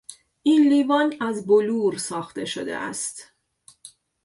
این لیوان از بلور ساخته شده است.